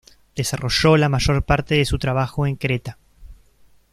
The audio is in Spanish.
Desarrolló la mayor parte de su trabajo en Creta.